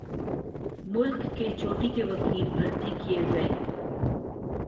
ملک کے چوٹی کے وکیل بھرتی کیے گئے۔